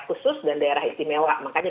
khusus dan daerah istimewa makanya